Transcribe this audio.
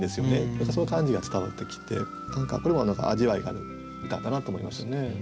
何かその感じが伝わってきてこれも何か味わいがある歌だなと思いますよね。